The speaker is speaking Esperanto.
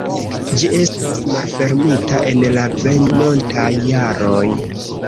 Ĝi estos malfermita en la venontaj jaroj.